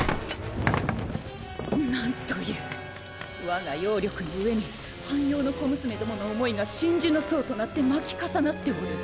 なんというわが妖力の上に半妖の小娘どもの想いが真珠の層となって巻き重なっておる！